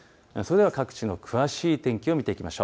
それでは各地の詳しい天気を見ていきましょう。